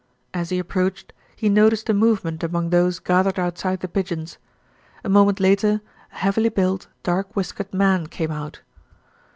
As he approached, he noticed a movement among those gathered outside The Pigeons. A moment later a heavily built, dark whiskered man came out.